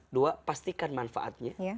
dua pastikan manfaatnya